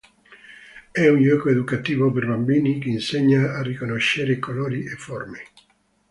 È un gioco educativo per bambini, che insegna a riconoscere colori e forme.